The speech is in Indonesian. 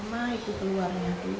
lama itu keluarnya tuh